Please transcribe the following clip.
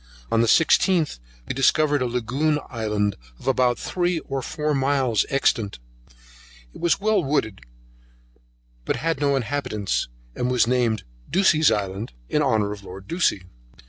On the 16th we discovered a Lagoon Island of about three or four miles extent; it was well wooded, but had no inhabitants, and was named Ducie's Island, in honour of Lord Ducie.